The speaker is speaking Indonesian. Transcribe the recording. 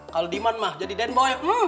kalau demand mah jadi den boy